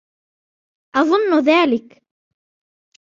أظن ذلك.